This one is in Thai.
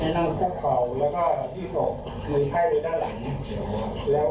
ให้นั่งคู่เข่าแล้วก็ที่ตกมือไพ่ไปด้านหลัง